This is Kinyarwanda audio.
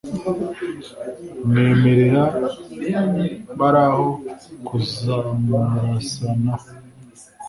Mwemerera bari aho Kuzamurasanaho